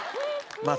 まあ